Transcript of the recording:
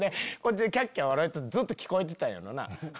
キャッキャ笑うとんのずっと聞こえてたんやろうな。